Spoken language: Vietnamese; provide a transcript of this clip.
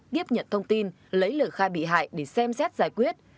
tiếp nhận thông tin lấy lời khai bị hại để xem xét giải quyết